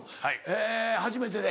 え初めてで。